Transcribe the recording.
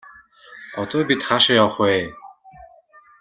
Одоо бид хаашаа явах вэ?